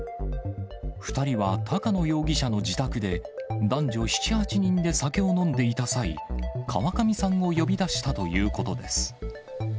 ２人は高野容疑者の自宅で、男女７、８人で酒を飲んでいた際、川上さんを呼び出したということです。